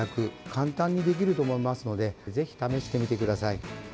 簡単にできると思いますのでぜひ試してみてください。